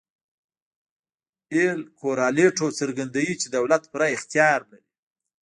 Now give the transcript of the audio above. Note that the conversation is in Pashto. اېل کورالیټو څرګندوي چې دولت پوره اختیار لري.